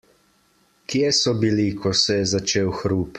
Kje so bili, ko se je začel hrup?